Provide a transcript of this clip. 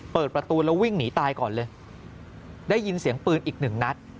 เปิดประตูแล้ววิ่งหนีตายก่อนเลยได้ยินเสียงปืนอีกหนึ่งนัด